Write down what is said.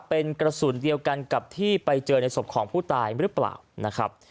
เป็นกระสุนเดียวกันกับที่ไปเจอในศพของผู้ตายหรือเปล่านะครับ